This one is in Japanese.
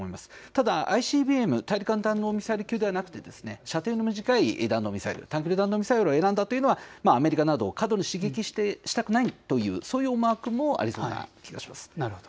ただＩＣＢＭ・大陸間弾道ミサイル級ではなくて射程の短い弾道ミサイル、短距離弾道ミサイルを選んだというのはアメリカなどを過度に刺激したくないというそういう思惑もありそうな気がします。